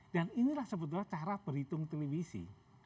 dan inilah sebetulnya cara berhitung televisi